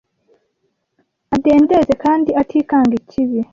Adendeze kandi atikanga ikibi”